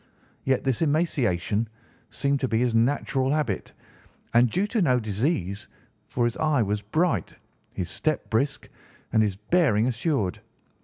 Yet this emaciation seemed to be his natural habit, and due to no disease, for his eye was bright, his step brisk, and his bearing assured.